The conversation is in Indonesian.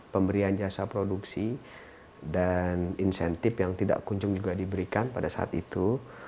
pemberian jasa produksi dan insentif yang tidak kunjung juga diberikan pada saat itu